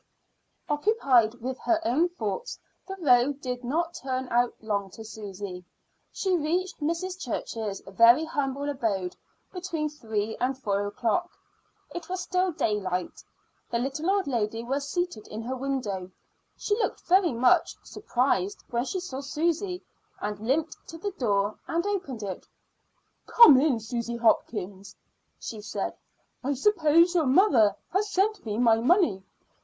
Occupied with her own thoughts, the road did not turn out long to Susy. She reached Mrs. Church's very humble abode between three and four o'clock. It was still daylight. The little old lady was seated in her window; she looked very much, surprised when she saw Susy, and limped to the door and opened it. "Come in, Susy Hopkins," she said. "I suppose your mother has sent me my money.